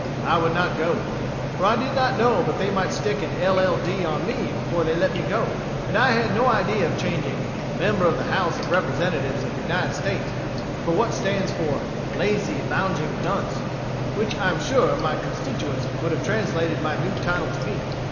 I would not go, for I did not know but they might stick an LL.D. on me before they let me go; and I had no idea of changing 'Member of the House of Representatives of the United States,' for what stands for 'lazy, lounging dunce,' which I am sure my constituents would have translated my new title to be.